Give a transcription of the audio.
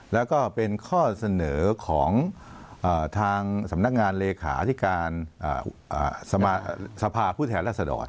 แล้วก็เป็นข้อเสนอของทางสำนักงานเลขาที่การสภาผู้แทนรัศดร